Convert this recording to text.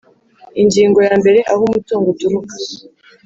Ingingo ya mbere aho umutungo uturuka